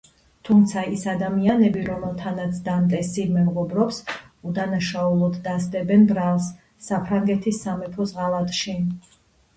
თუმცა ის ადამიანები, რომელთანაც დანტესი მეგობრობს უდანაშაულოდ დასდებენ ბრალს საფრანგეთის სამეფოს ღალატში.